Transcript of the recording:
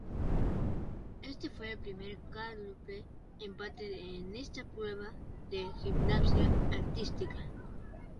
Este fue el primer cuádruple empate en una prueba de gimnasia artística.